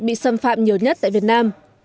bị xâm phạm nhiều nhất tại việt nam